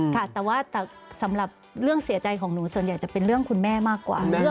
ค่ะแต่ว่าสำหรับเรื่องเสียใจของหนูส่วนใหญ่จะเป็นเรื่องคุณแม่มากกว่า